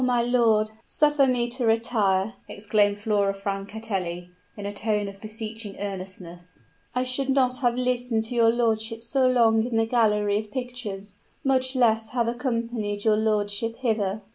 my lord, suffer me to retire," exclaimed Flora Francatelli, in a tone of beseeching earnestness; "I should not have listened to your lordship so long in the gallery of pictures, much less have accompanied your lordship hither."